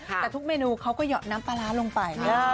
แต่ทุกเมนูเขาก็เหยาะน้ำปลาร้าลงไป